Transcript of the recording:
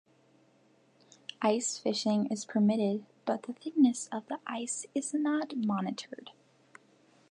Ice fishing is permitted, but the thickness of the ice is not monitored.